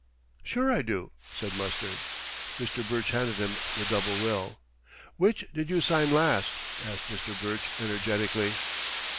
"Sure, I do," said Mustard. Mr. Burch handed him the double will. "Which did you sign last?" asked Mr. Burch energetically.